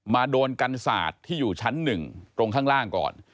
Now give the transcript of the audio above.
โดนกันศาสตร์ที่อยู่ชั้น๑ตรงข้างล่างก่อน